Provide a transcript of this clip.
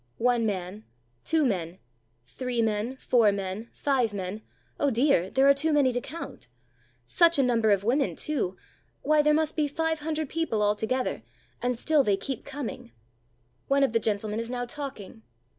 One man, two men, three men, four men, five men; oh, dear! there are too many to count. Such a number of women too, why, there must be five hundred people all together, and still they keep coming. One of the gentlemen is now talking.